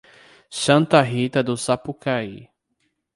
Santa Rita do Sapucaí